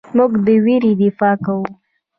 موږ د ویرې دفاع کوو.